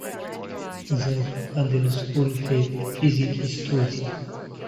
This allows running rio inside of another window manager.